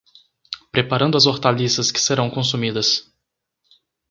Preparando as hortaliças que serão consumidas